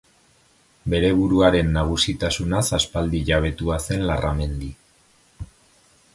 Bere buruaren nagusitasunaz aspaldi jabetua zen Larramendi.